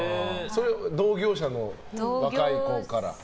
同業者の若い子から？